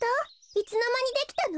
いつのまにできたの？